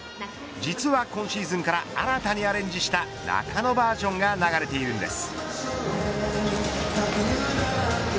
実は今シーズンから新たにアレンジした中野バージョンが流れているんです。